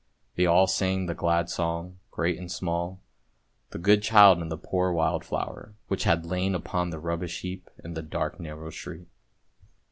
They all sang the glad song, great and small, the good child and the poor wild flower, which had lain upon the rubbish heap in the dark narrow street.